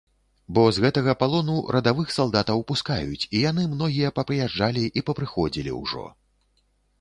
Бо з гэтага палону радавых салдатаў пускаюць, і яны многія папрыязджалі і папрыходзілі ўжо.